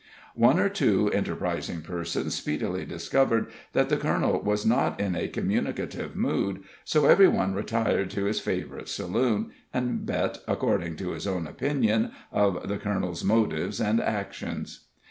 One or two enterprising persons speedily discovered that the colonel was not in a communicative mood, so every one retired to his favorite saloon, and bet according to his own opinion of the colonel's motives and actions.